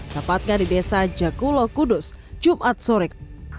dapatnya di desa jakulo kudus jumat surik